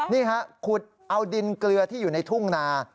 นี่ฮะขุดเอาดินเกลือที่อยู่ในทุ่งนา